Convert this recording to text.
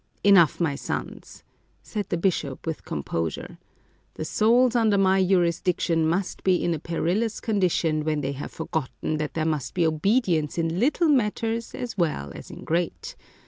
" Enough, my sons !" said the bishop, with com posure ;" the souls under my jurisdiction must be in a perilous condition when they have forgotten that there must be obedience in little matters as well as in great.